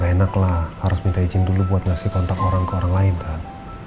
enak lah harus minta izin dulu buat ngasih kontak orang ke orang lain kan